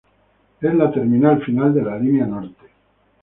Es la terminal final de la línea norte.